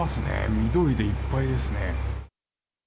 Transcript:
緑でいっぱいですね。